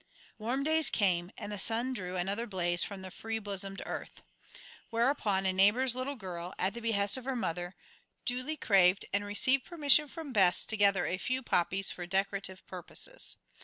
Warm days came, and the sun drew another blaze from the free bosomed earth. Whereupon a neighbour's little girl, at the behest of her mother, duly craved and received permission from Bess to gather a few poppies for decorative purposes.